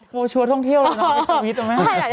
โฟชัวร์ท่องเที่ยวละเนอะ